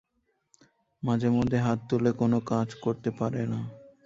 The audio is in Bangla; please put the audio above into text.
মাঝে মধ্যে হাত তুলে কোনো কাজ করতে পারে না।